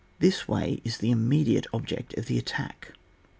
This way is the imme diate object of the attack.